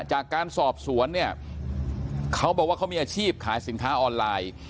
จากการสอบสวนเนี่ยเขาบอกว่าเขามีอาชีพขายสินค้าออนไลน์